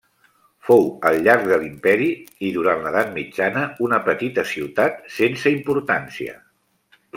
Fou al llarg de l'imperi i durant l'edat mitjana una petita ciutat sense importància.